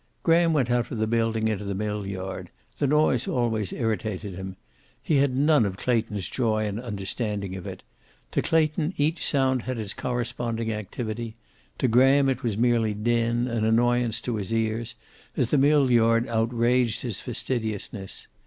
Graham went out of the building into the mill yard. The noise always irritated him. He had none of Clayton's joy and understanding of it. To Clayton each sound had its corresponding activity. To Graham it was merely din, an annoyance to his ears, as the mill yard outraged his fastidiousness.